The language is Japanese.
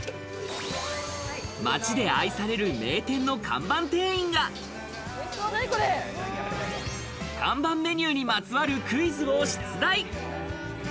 街で愛される名店の看板店員が看板メニューにまつわるクイズを出題。